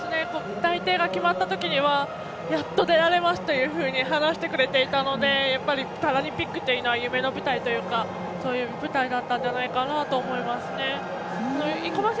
内定が決まったときにはやっと出られますと話してくれていたのでやっぱりパラリンピックは夢の舞台というかそういう舞台だったんじゃないかなと思います。